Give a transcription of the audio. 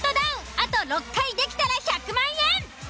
あと６回できたら１００万円！